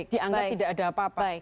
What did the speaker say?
dianggap tidak ada apa apa